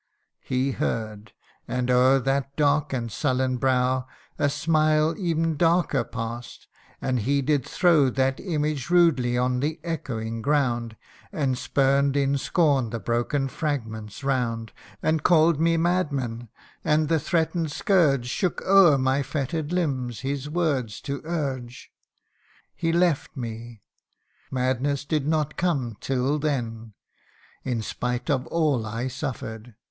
He heard : and o'er that dark and sullen brow A smile ev'n darker pass'd ; and he did throw That image rudely on the echoing ground, And spurn'd in scorn the broken fragments round ; And call'd me madman, and the threaten'd scourge Shook o'er my fetter'd limbs, his words to urge. He left me madness did not come till then In spite of all I suffer 'd.